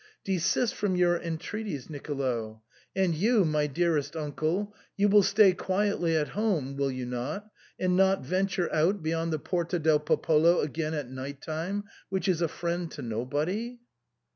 Desist from your en treaties, Nicolo. And you, my dearest uncle, you will stay quietly at home, will you not, and not venture out beyond the Porta del Popolo again at night time, which is a friend to nobody